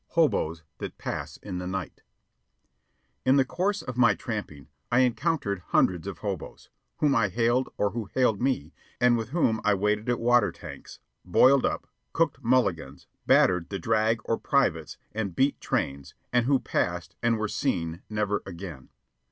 HOBOES THAT PASS IN THE NIGHT In the course of my tramping I encountered hundreds of hoboes, whom I hailed or who hailed me, and with whom I waited at water tanks, "boiled up," cooked "mulligans," "battered" the "drag" or "privates," and beat trains, and who passed and were seen never again.